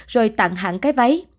rồi tặng hẳn cái váy